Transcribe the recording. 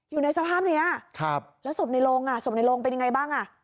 อยู่ในสภาพนี้แล้วศพในโรงอ่ะศพในโรงเป็นยังไงบ้างอ่ะ